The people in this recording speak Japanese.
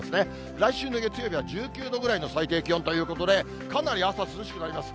来週の月曜日は１９度ぐらいの最低気温ということで、かなり朝、涼しくなります。